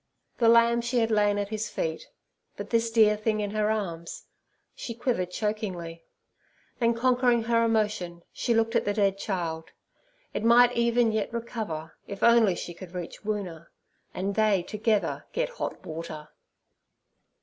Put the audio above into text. The lamb she had laid at his feet, but this dear thing in her arms—she quivered chokingly, then conquering her emotion, she looked at the dead child. It might even yet recover if only she could reach Woona, and they together get hot water.